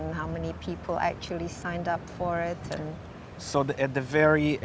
dan berapa banyak orang yang berusaha untuk melakukannya